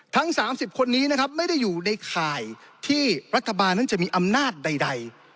ทั้ง๓๐คนนี้นะครับไม่ได้อยู่ในข่ายที่รัฐบาลนั้นจะมีอำนาจใด